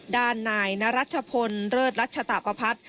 ด่านนายนรัชพลเลิศรัชตาปภัทร